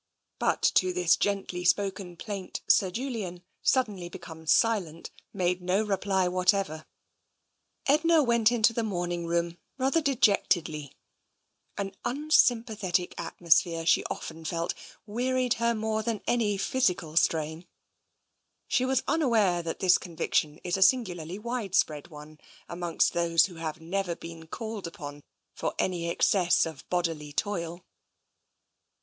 But to this gently spoken plaint Sir Julian, suddenly become silent, made no reply whatever. Edna went into the morning room rather dejectedly. An uns)mipathetic atmosphere, she often felt, wearied her more than any physical strain. She was unaware that this conviction is a singularly widespread one amongst those who have never been called upon for any excess of bodily toil.